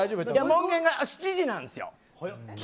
門限が７時なんですよ。